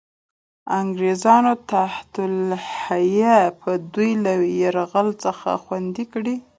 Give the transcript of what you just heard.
انګرېزانو تحت الحیه به دوی له یرغل څخه خوندي کړي.